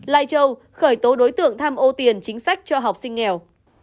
lai châu khởi tố đối tượng tham ô tiền chính sách cho học sinh nghèo